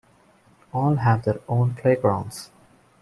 All have their own playgrounds.